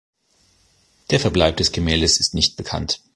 Der Verbleib des Gemäldes ist nicht bekannt.